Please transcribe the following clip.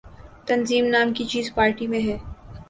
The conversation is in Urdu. تنظیم نام کی چیز پارٹی میں ہے۔